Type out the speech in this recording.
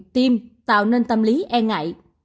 tiêm tạo nên tâm lý e ngại